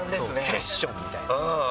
セッションみたいな。